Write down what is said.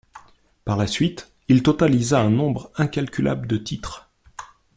Par la suite, il totalisa un nombre incalculable de titres.